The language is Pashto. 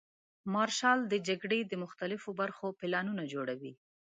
مارشال د جګړې د مختلفو برخو پلانونه جوړوي.